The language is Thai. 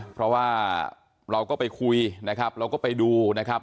เพราะว่าเราก็ไปคุยนะครับเราก็ไปดูนะครับ